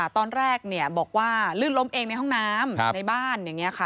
ตอนแรกบอกว่าลื่นล้มเองในห้องน้ำในบ้าน